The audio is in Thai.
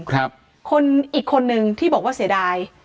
คนอีกคนนึงที่บอกว่าเสียดาย